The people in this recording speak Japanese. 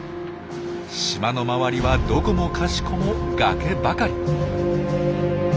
島の周りはどこもかしこも崖ばかり。